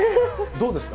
どうですか？